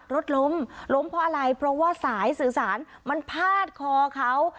รถล้มล้มเพราะอะไรเพราะว่าสายสื่อสารมันพาดคอเขา